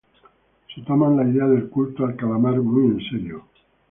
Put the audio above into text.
Se toman la idea del culto al calamar muy en serio.